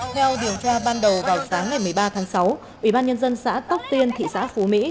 theo điều tra ban đầu vào sáng ngày một mươi ba tháng sáu ủy ban nhân dân xã tóc tiên thị xã phú mỹ